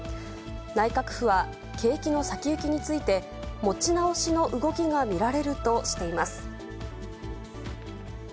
内閣府は、景気の先行きについて、持ち直しの動きが見られるとしています。